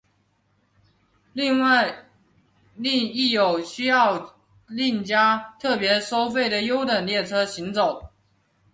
另外亦有需要另加特别收费的优等列车行走。